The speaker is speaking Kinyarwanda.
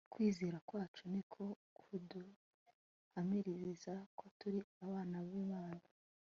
kwizera kwacu niko kuduhamiririza ko turi abana b'imana